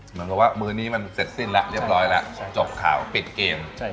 เหมือนกับว่ามือนี้มันเสร็จสิ้นแล้วเรียบร้อยแล้วจบข่าวปิดเกม